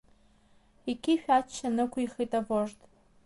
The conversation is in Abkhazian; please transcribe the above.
Иқьышә ачча нықәыххит авожд.